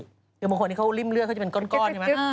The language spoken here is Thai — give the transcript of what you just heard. คือบางคนที่เขาริ่มเลือดเขาจะเป็นก้อนใช่ไหม